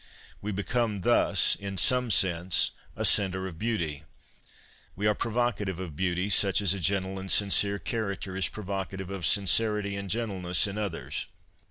We become thus, in some sense, a centre of beauty ; we are provocative of beauty, such as a gentle and sincere character is provocative of sincerity and gentleness in others.